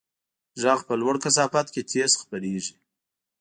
غږ په لوړه کثافت کې تېز خپرېږي.